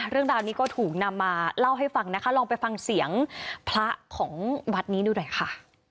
เรื่องราวนี้ก็ถูกนำมาเล่าให้ฟังนะคะลองไปฟังเสียงพระของวัดนี้ดูหน่อยค่ะ